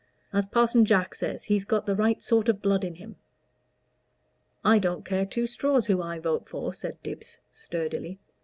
As Parson Jack says, he's got the right sort of blood in him." "I don't care two straws who I vote for," said Dibbs, sturdily.